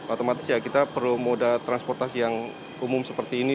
otomatis ya kita perlu moda transportasi yang umum seperti ini